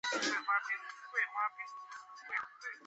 他们多数是从其他加勒比地区如马提尼克和瓜德罗普来到。